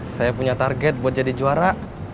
saya punya target buat jadi juara